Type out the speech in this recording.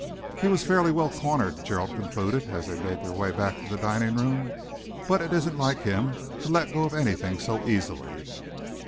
"He was fairly well cornered," Gerald concluded, as they made their way back to the dining room, "but it isn't like him to let go of anything so easily."